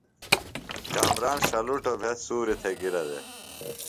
کامران ݜلُٹوۡ بھےۡ سُوریۡ تھےۡ گِرہ دےۡ۔